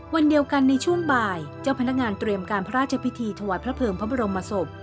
วันเดียวกันในช่วงบ่ายเจ้าพนักงานเตรียมการพระราชพิธีถวายพระเภิงพระบรมศพ